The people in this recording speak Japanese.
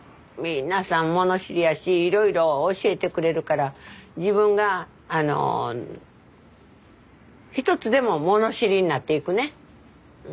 皆さん物知りやしいろいろ教えてくれるから自分が一つでも物知りになっていくね。